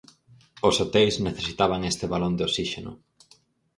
Os hoteis necesitaban este balón de osíxeno.